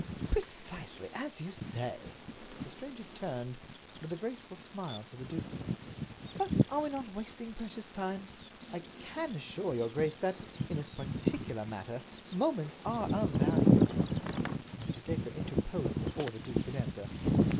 "Precisely—as you say!" The stranger turned, with his graceful smile, to the duke: "But are we not wasting precious time? I can assure your grace that, in this particular matter, moments are of value." Mr. Dacre interposed before the duke could answer.